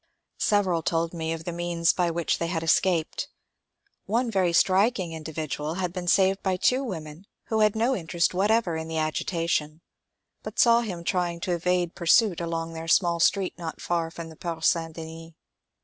Several told me of the means by which they had escaped. One very striking individual had been saved by two women who had no interest whatever in the agitation, but saw him trying to evade pursuit along their small street not far from the Porte St. Denis.